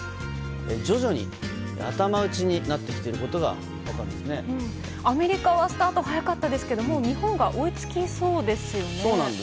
徐々に頭打ちになってきていることがアメリカはスタート早かったですがもう日本が追いつきそうですね。